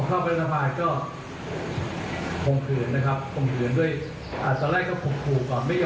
ใครที่เคยโดนแบบนี้หรือยังไง